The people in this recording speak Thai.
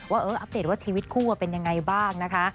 ว่าเอออัปเดตว่าชีวิตคู่เป็นยังไงบ้างนะคะ